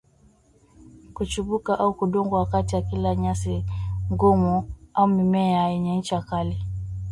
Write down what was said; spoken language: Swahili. kuchubuka au kudungwa wakati akila nyasi ngumu au mimea yenye ncha kali